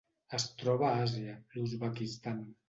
Es troba a Àsia: l'Uzbekistan.